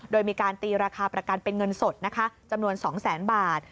โดยมีการตีราคาประกันเป็นเงินสดนะคะจำนวน๒แสนบาท